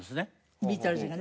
ビートルズがね。